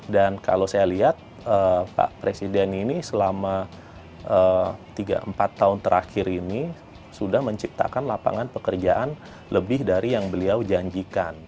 kalau saya lihat pak presiden ini selama tiga empat tahun terakhir ini sudah menciptakan lapangan pekerjaan lebih dari yang beliau janjikan